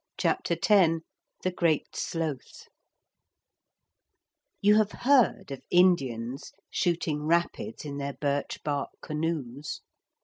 CHAPTER X THE GREAT SLOTH You have heard of Indians shooting rapids in their birch bark canoes?